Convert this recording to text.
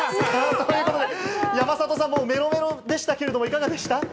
ということで、山里さん、もう、メロメロでしたけど、いかがでした？